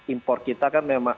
impor kita kan memang